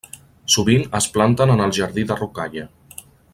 Sovint es planten en el jardí de rocalla.